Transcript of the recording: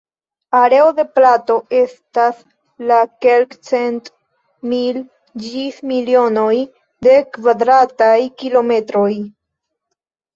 Areo de plato estas de kelkcent mil ĝis milionoj da kvadrataj kilometroj.